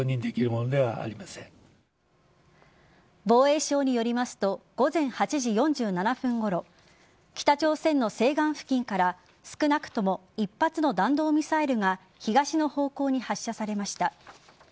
防衛省によりますと午前８時４７分ごろ北朝鮮の西岸付近から少なくとも１発の弾道ミサイルが東の方向に発射されました。